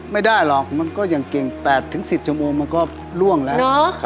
ไม่ได้หรอกมันก็อย่างเก่ง๘๑๐ชั่วโมงมันก็ล่วงแล้ว